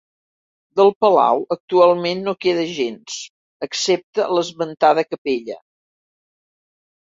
Del palau actualment no queda gens, excepte l'esmentada capella.